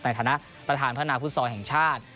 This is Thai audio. ในฐานะประธานพระนาพุทธศร้อยแห่งชาติ